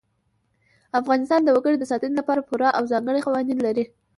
افغانستان د وګړي د ساتنې لپاره پوره او ځانګړي قوانین لري.